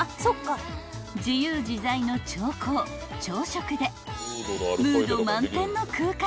［自由自在の調光調色でムード満点の空間に］